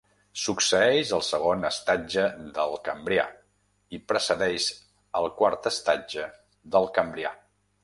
Succeeix el segon estatge del Cambrià i precedeix el quart estatge del Cambrià.